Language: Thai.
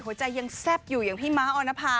หัวใจยังแซ่บอยู่อย่างพี่ม้าออนภา